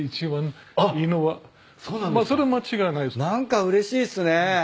何かうれしいっすね。